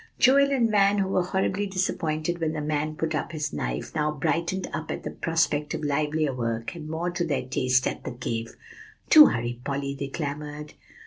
'" Joel and Van, who were horribly disappointed when the man put up his knife, now brightened up at prospect of livelier work, and more to their taste, at the cave. "Do hurry, Polly!" they clamored.